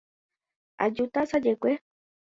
Ajúta asajekue.